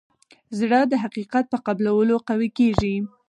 زړه د حقیقت په قبلولو قوي کېږي.